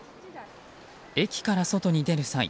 駅から外に出る際